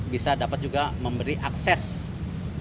bisa dapat juga memberi akses